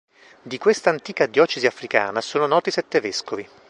Di questa antica diocesi africana sono noti sette vescovi.